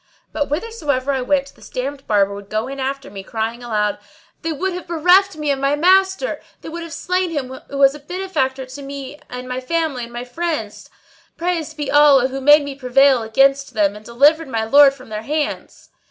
But whithersoever I went this damned Barber would go in after me, crying aloud, "They would have bereft me of my maa a ster! They would have slain him who was a benefactor to me and my family and my friends! Praised be Allah who made me prevail against them and delivered my lord from their hands!"